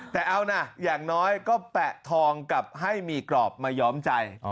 แต่เอานะอย่างน้อยก็แปะทองกับให้มีกรอบมาย้อมใจ